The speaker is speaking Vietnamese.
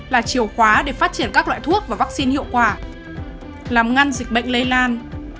là chiều khóa để phát triển các loại thuốc và vaccine hiệu quả làm ngăn dịch bệnh lây lan